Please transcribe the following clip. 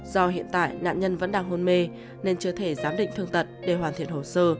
do hiện tại nạn nhân vẫn đang hôn mê nên chưa thể giám định thương tật để hoàn thiện hồ sơ